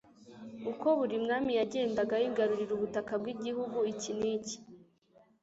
Uko buri mwami yagendaga yigarurira ubutaka bw'igihugu iki n'iki